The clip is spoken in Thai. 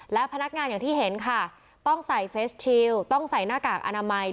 และพนักงานอย่างที่เห็นค่ะต้องใส่เฟสชิลต้องใส่หน้ากากอนามัย